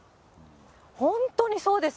本当にそうです。